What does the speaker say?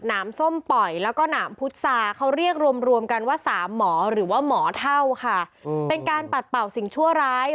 น้ำส้มปล่อยแล้วก็หนามพุษาเขาเรียกรวมรวมกันว่าสามหมอหรือว่าหมอเท่าค่ะเป็นการปัดเป่าสิ่งชั่วร้าย